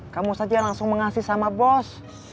kamu setia langsung mengasih sama bos